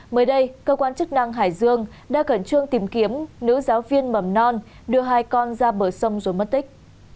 mới đây cơ quan chức năng hải dương đã cẩn trương tìm kiếm nữ giáo viên mầm non đưa hai con ra bờ sông rồi mất tích